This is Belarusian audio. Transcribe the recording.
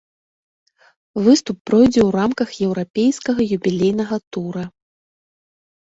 Выступ пройдзе ў рамках еўрапейскага юбілейнага тура.